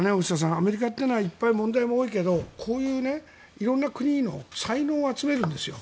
アメリカというのはいっぱい問題も多いけどこういう色んな国の才能を集めるんですよ。